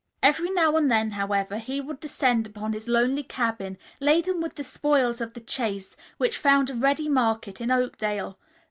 Every now and then, however, he would descend upon his lonely cabin, laden with the spoils of the chase, which found a ready market in Oakdale.